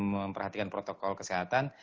memperhatikan protokol kesehatan